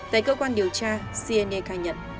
tại cơ quan điều tra siene ca nhận